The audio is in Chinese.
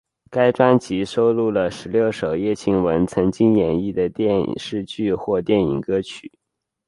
该专辑收录了十六首叶蒨文曾经演绎的电视剧或电影歌曲。